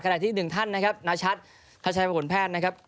ขนาดที่๑ท่านนะครับนาชัตริย์ธวัลแพทย์นะครับ